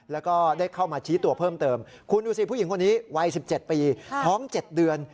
แล้วก็ได้เข้ามาชี้ตัวเพิ่มเติมคุณดูสิผู้หญิงคนนี้วัย๑๗ปีท้อง๗เดือน